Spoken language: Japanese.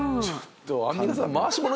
アンミカさん。